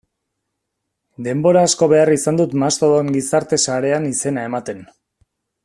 Denbora asko behar izan dut Mastodon gizarte sarean izena ematen.